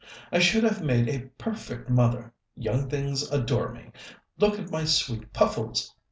I should have made a perfect mother young things adore me. Look at my sweet Puffles!